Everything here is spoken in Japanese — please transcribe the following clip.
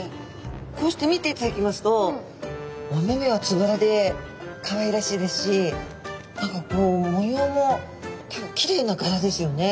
こうして見ていただきますとお目々はつぶらでかわいらしいですし何かこう模様も結構きれいながらですよね。